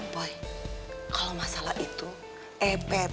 boy kalau masalah itu ept